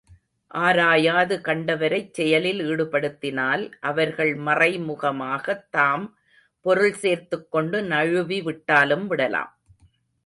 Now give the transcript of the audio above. ஆராயாது கண்டவரைச் செயலில் ஈடுபடுத்தினால், அவர்கள் மறைமுகமாகத் தாம் பொருள்சேர்த்துக் கொண்டு நழுவி விட்டாலும் விடலாம்.